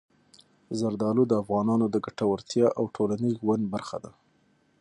زردالو د افغانانو د ګټورتیا او ټولنیز ژوند برخه ده.